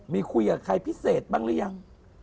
มีคุยกับใครพิเศษบ้างหรือยัง